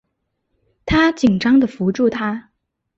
她紧张的扶住她